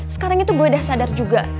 sekarang itu gue udah sadar juga